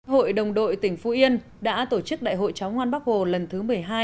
hội đồng đội tỉnh phú yên đã tổ chức đại hội cháu ngoan bắc hồ lần thứ một mươi hai